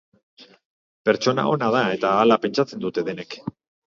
Pertsona ona da eta hala pentsatzen dute denek.